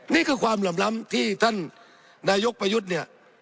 นี่คือความเหลื่อมล้ำที่ท่านนายกประยุทธ์เนี่ย